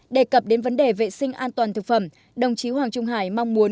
đề cập đến vấn đề vệ sinh an toàn thực phẩm đồng chí hoàng trung hải mong muốn